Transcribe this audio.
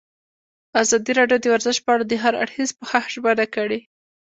ازادي راډیو د ورزش په اړه د هر اړخیز پوښښ ژمنه کړې.